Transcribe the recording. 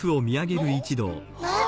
あっ！？